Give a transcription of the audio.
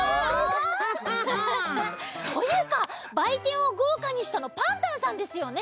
ハハハ。というかばいてんをごうかにしたのパンタンさんですよね？